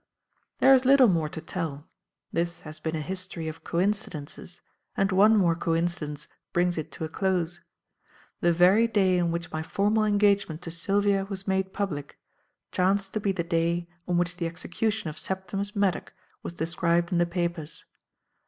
There is little more to tell. This has been a history of coincidences and one more coincidence brings it to a close. The very day on which my formal engagement to Sylvia was made public, chanced to be the day on which the execution of Septimus Maddock was described in the papers.